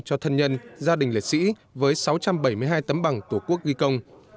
cho thân nhân gia đình liệt sĩ với sáu trăm bảy mươi hai tấm bằng